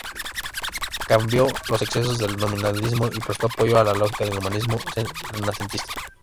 Combatió los excesos del Nominalismo y prestó apoyo a la lógica del humanismo renacentista.